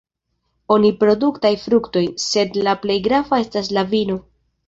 Oni produktaj fruktojn, sed la plej grava estas la vino.